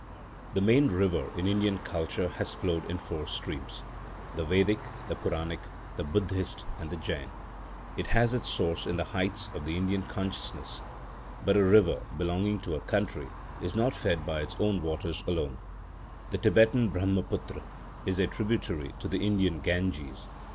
The main river in Indian culture has flowed in four streams,—the Vedic, the Puranic, the Buddhist, and the Jain. It has its source in the heights of the Indian consciousness. But a river, belonging to a country, is not fed by its own waters alone. The Tibetan Brahmaputra is a tributary to the Indian Ganges.